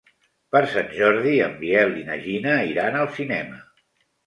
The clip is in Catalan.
Per Sant Jordi en Biel i na Gina iran al cinema.